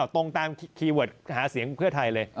ตรงตามคีย์เวิร์ดหาเสียงเพื่อไทยเลย